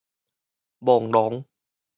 朦朧